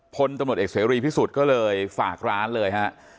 พลตำรวจเอกเสรีพิสุทธิ์ก็เลยฝากร้านเลยฮะ